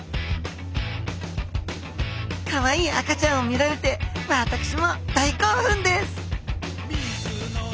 かわいい赤ちゃんを見られて私も大興奮です！